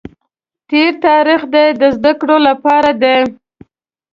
تېر تاریخ دې د زده کړې لپاره دی.